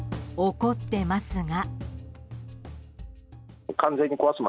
怒ってますが。